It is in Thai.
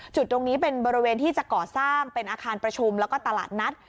จุดตรงนี้เป็นบริเวณที่จะก่อสร้างเป็นอาคารประชุมแล้วก็ตลาดนัด